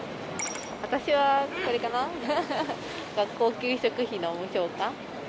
私は、これかな、学校給食費の無償化。